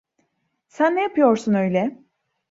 Sen ne yapıyorsun öyle?